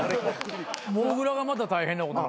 もぐらがまた大変なことに。